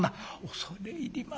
「恐れ入ります。